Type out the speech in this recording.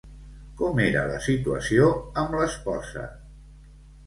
Com era la situació amb l'esposa?